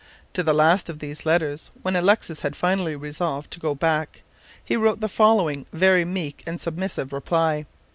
To the last of these letters, when Alexis had finally resolved to go back, he wrote the following very meek and submissive reply.